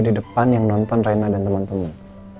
di depan yang nonton rena dan temen temen